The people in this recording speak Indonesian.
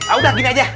ah udah gini aja